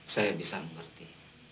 saya bisa mengerti